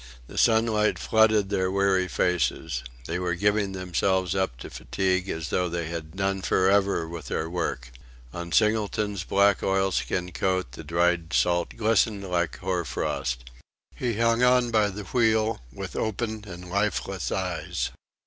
The sunlight flooded their weary faces. They were giving themselves up to fatigue as though they had done for ever with their work. On Singleton's black oilskin coat the dried salt glistened like hoar frost. He hung on by the wheel, with open and lifeless eyes.